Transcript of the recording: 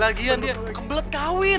lagian ya kebelet kawin